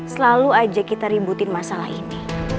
selalu aja kita ributin masalah ini